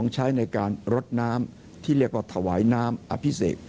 ใช้ในการรดน้ำที่เรียกว่าถวายน้ำอภิเษก